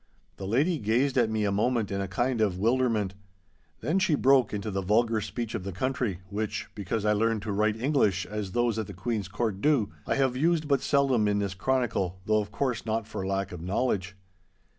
The lady gazed at me a moment in a kind of wilderment. Then she broke into the vulgar speech of the country, which, because I learned to write English as those at the Queen's Court do, I have used but seldom in this chronicle—though, of course, not for lack of knowledge.